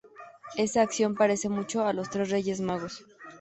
Esa acción parece mucho a los tres reyes magos.